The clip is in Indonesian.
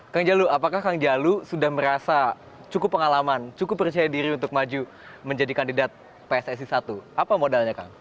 kang jalu apakah kang jalu sudah merasa cukup pengalaman cukup percaya diri untuk maju menjadi kandidat pssi satu apa modalnya kang